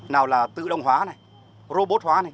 nào là tự động hóa này robot hóa này